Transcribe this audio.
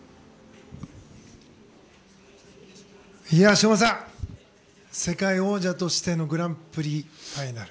昌磨さん世界王者としてのグランプリファイナル。